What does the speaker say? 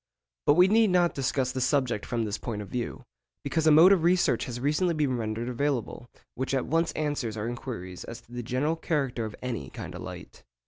But we need not discuss the subject from this point of view, because a mode of research has recently been rendered available which at once answers our inquiries as to the general character of any kind of light.